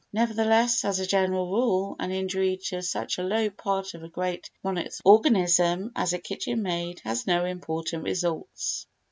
Nevertheless as a general rule an injury to such a low part of a great monarch's organism as a kitchen maid has no important results.